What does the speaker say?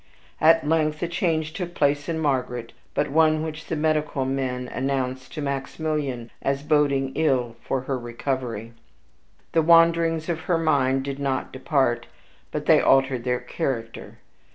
At length a change took place in Margaret, but one which the medical men announced to Maximilian as boding ill for her recovery. The wanderings of her mind did not depart, but they altered their character.